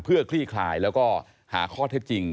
เพื่อคลี่คลายแล้วก็หาข้อเท็จจริง